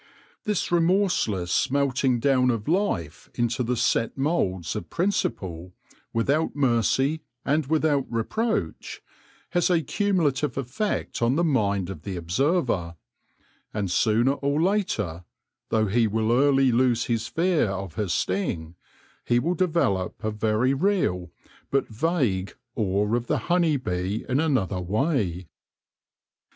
This remorseless smelting down of life into the set moulds of principle; without mercy and without reproach, has a cumulative effect on the mind of the observer • and sooner or later, though he will early lose his fear of her sting, he will develop a very real, but vague, awe of the honey bee in another way.